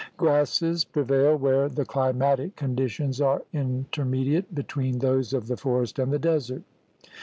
Grasses pre vail where the climatic conditions are intermediate between those of the forest and the desert.